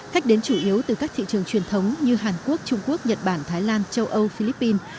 khách đến chủ yếu từ các thị trường truyền thống như hàn quốc trung quốc nhật bản thái lan châu âu philippines